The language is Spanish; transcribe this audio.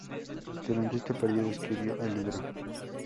Durante este período escribió el libro.